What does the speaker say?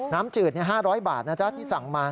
น้ำจืด๕๐๐บาทที่สั่งมา